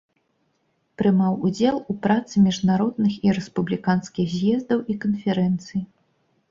Прымаў удзел у працы міжнародных і рэспубліканскіх з'ездаў і канферэнцый.